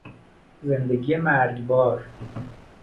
زندگی مرگبار